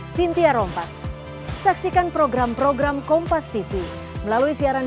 kata mas kaisang bapak mau ikut turun